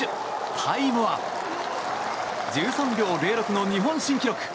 タイムは１３秒０６の日本新記録。